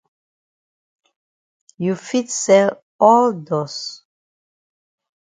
You fit sell all dust.